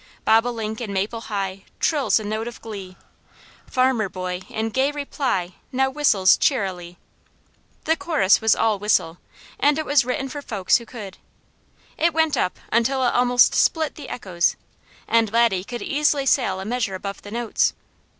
Bobolink in maple high, trills a note of glee, Farmer boy in gay reply now whistles cheerily." The chorus was all whistle, and it was written for folks who could. It went up until it almost split the echoes, and Laddie could easily sail a measure above the notes.